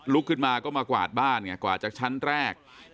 ขึ้นมาก็มากวาดบ้านไงกวาดจากชั้นแรก